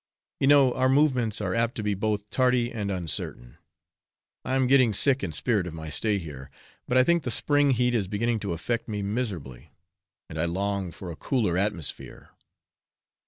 You know, our movements are apt to be both tardy and uncertain. I am getting sick in spirit of my stay here; but I think the spring heat is beginning to affect me miserably, and I long for a cooler atmosphere.